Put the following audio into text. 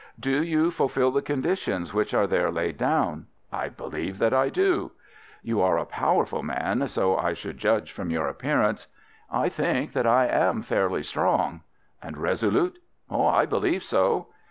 "Do you fulfil the conditions which are there laid down?" "I believe that I do." "You are a powerful man, or so I should judge from your appearance." "I think that I am fairly strong." "And resolute?" "I believe so."